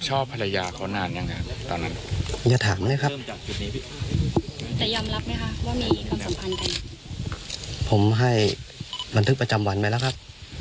จะยำรับว่าเป็นคนบงการอยู่เบื้องหลังการภาพ